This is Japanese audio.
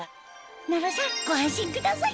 野呂さんご安心ください